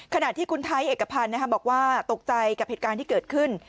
ขณะที่คุณไทยเอกพันธ์บอกว่าตกใจกับเหตุการณ์ที่เกิดขึ้น